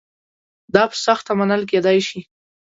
دا په سخته منل کېدای شي.